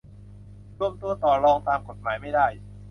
รวมตัวต่อรองตามกฎหมายไม่ได้